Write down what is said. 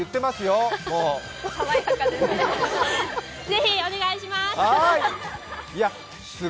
ぜひお願いします。